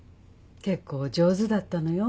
結構上手だったのよ。